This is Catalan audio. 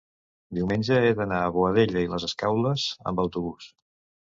diumenge he d'anar a Boadella i les Escaules amb autobús.